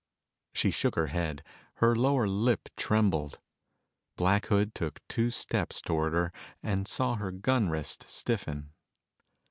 She shook her head. Her lower lip trembled. Black Hood took two steps toward her and saw her gun wrist stiffen.